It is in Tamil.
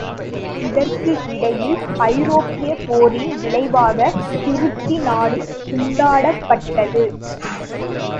இதற்கு இடையில், ஐரோப்பியப் போரின் விளைவாகத் துருக்கி நாடும் துண்டாடப்பட்டது.